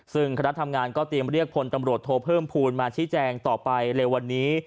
ซึ่งคณะทำงานก็เตรียมเรียกพลตำรวจโทเพิ่มภูมิมาชี้แจงต่อไปเร็ววันนี้